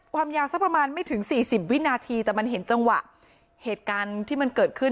ความยาวสักประมาณไม่ถึงสี่สิบวินาทีแต่มันเห็นจังหวะเหตุการณ์ที่มันเกิดขึ้น